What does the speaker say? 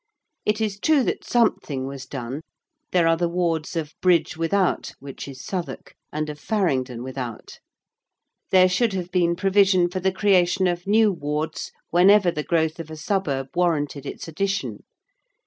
It is true that something was done: there are the Wards of Bridge Without, which is Southwark: and of Farringdon Without. There should have been provision for the creation of new Wards whenever the growth of a suburb warranted its addition.